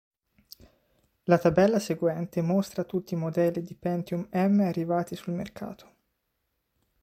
La tabella seguente mostra tutti i modelli di Pentium M arrivati sul mercato.